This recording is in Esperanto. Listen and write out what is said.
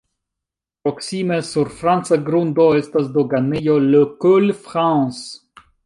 Proksime sur franca grundo estas doganejo "Le Col France".